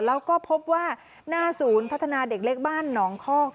แล้วก็พบว่าหน้าศูนย์พัฒนาเด็กเล็กบ้านหนองคอก